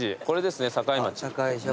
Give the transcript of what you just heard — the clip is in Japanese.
これですね境町。